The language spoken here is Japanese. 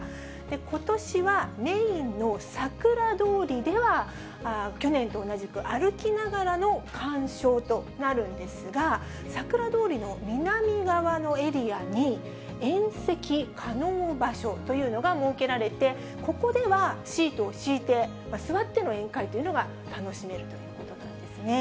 ことしは、メインのさくら通りでは、去年と同じく歩きながらの観賞となるんですが、さくら通りの南側のエリアに、宴席可能場所というのが設けられて、ここではシートを敷いて、座っての宴会というのが楽しめるということなんですね。